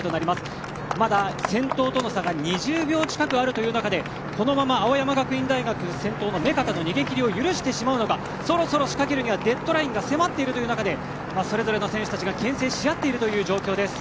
まだ先頭との差が２０秒近くある中でこのまま青山学院大学、先頭の目片の逃げ切りを許してしまうのかそろそろ仕掛けるにはデッドラインが迫っている中それぞれの選手たちが牽制し合っている状況です。